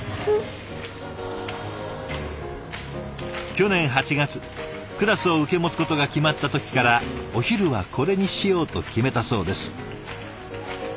去年８月クラスを受け持つことが決まった時からお昼はこれにしようと決めたそうです。